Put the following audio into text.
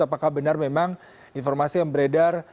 apakah benar memang informasi yang beredar